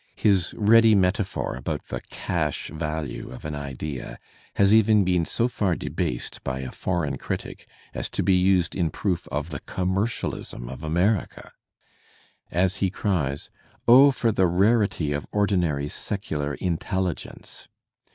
His ready metaphor about the '*cash value of an idea has even been so far debased by a ^ foreign critic as to be used in proof of the commercialism of America! As he cries, "Oh, for the rarity of ordinary secular intelligence!"